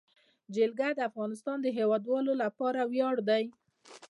جلګه د افغانستان د هیوادوالو لپاره ویاړ دی.